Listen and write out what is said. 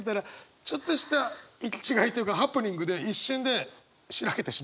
ちょっとした行き違いというかハプニングで一瞬で白けてしまう。